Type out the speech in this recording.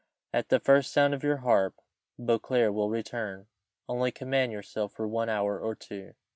At the first sound of your harp Beauclerc will return only command yourself for one hour or two."